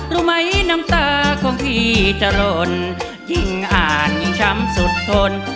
รู้ไหมน้ำตาของพี่จรนยิ่งอ่านยิ่งช้ำสุดทน